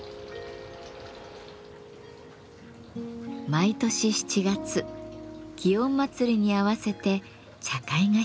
毎年７月園祭に合わせて茶会が開かれます。